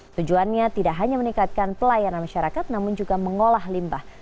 tujuannya tidak hanya meningkatkan pelayanan masyarakat namun juga mengolah limbah